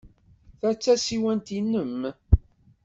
Ta d tasiwant-nnem?